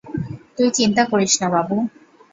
তুই চিন্তা করিস না, বাবু।